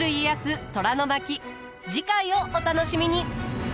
次回をお楽しみに。